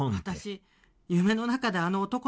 「私夢の中であの男の子と」